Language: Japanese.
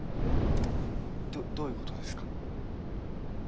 どどういうことですか？